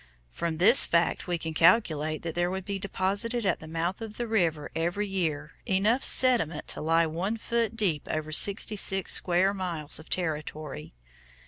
From this fact we can calculate that there would be deposited at the mouth of the river every year, enough sediment to lie one foot deep over sixty six square miles of territory.